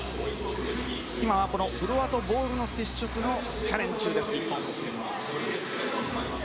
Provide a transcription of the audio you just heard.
今、フロアとボールの接触のチャレンジ中という日本。